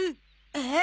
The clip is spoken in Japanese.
えっ？